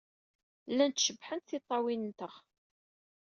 Llant cebḥent tiṭṭawin-nteɣ.